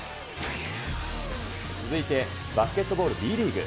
続いてバスケットボールＢリーグ。